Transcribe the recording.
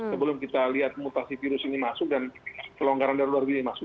sebelum kita lihat mutasi virus ini masuk dan kelonggaran darurat ini masuk